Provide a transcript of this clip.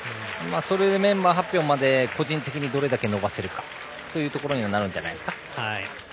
それでメンバー発表までに個人的にどれだけ伸ばせるかということになるんじゃないですか。